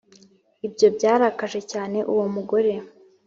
Ibyo byarakaje cyane uwo mugore